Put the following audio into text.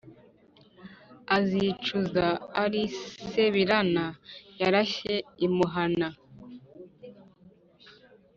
azicuza ari sebirana yarashye i muhana